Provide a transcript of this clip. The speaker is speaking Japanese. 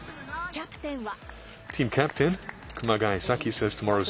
キャプテンは。